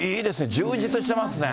充実してますね。